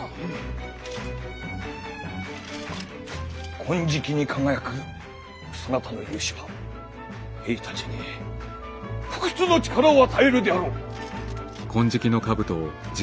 金色に輝くそなたの雄姿は兵たちに不屈の力を与えるであろう！